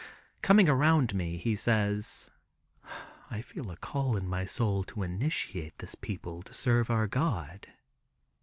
Coming around to me, he says: "I feel a call in my soul to initiate this people to serve our God.